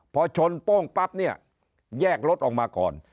พอชนโป้งปั๊บเนี่ยแยกรถออกมาก่อน